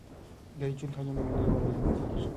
د نجونو تعلیم د ملي یووالي لامل کیږي.